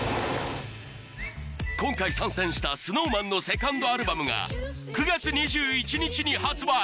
今回参戦したＳｎｏｗＭａｎのセカンドアルバムが９月２１日に発売